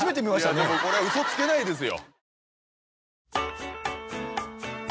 でもこれはウソつけないですよ。